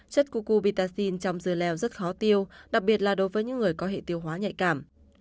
chất coco vitaxin trong dưa leo rất khó tiêu đặc biệt là đối với những người có hệ tiêu hóa nhạy cảm